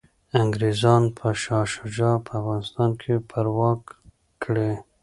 انګریزان به شاه شجاع په افغانستان کي پرواک کړي.